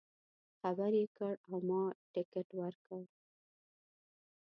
خبر یې کړ او ما ټکټ ورکړ.